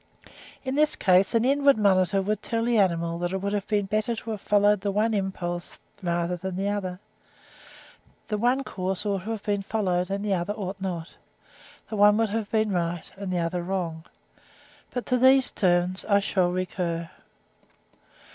In this case an inward monitor would tell the animal that it would have been better to have followed the one impulse rather than the other. The one course ought to have been followed, and the other ought not; the one would have been right and the other wrong; but to these terms I shall recur.